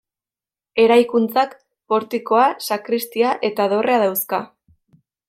Eraikuntzak portikoa, sakristia eta dorrea dauzka.